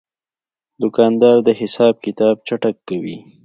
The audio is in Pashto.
دوکاندار د حساب کتاب چټک کوي.